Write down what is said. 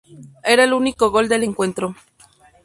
Era el único gol del encuentro.